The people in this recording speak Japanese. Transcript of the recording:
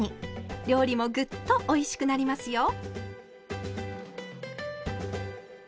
料理もぐっとおいしくなりますよ。